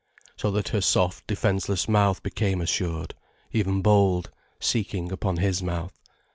So that her soft, defenseless mouth became assured, even bold, seeking upon his mouth.